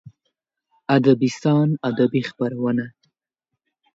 ادبستان ادبي خپرونه